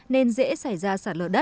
nên dễ xảy ra